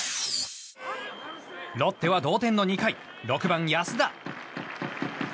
ロッテは同点の２回６番、安田。